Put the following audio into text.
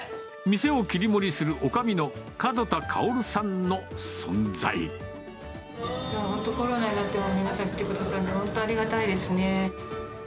店を切り盛りするおかみの門本当、コロナになっても皆さん、来てくださるので、本当ありがたいですね。